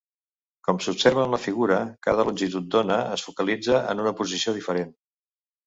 Com s'observa en la figura, cada longitud d'ona es focalitza en una posició diferent.